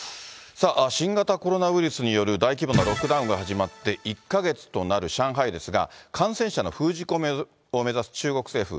新型コロナウイルスによる大規模なロックダウンが始まって１か月となる上海ですが、感染者の封じ込めを目指す中国政府。